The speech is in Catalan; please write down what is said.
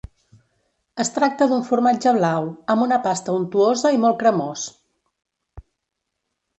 Es tracta d'un formatge blau, amb una pasta untuosa i molt cremós.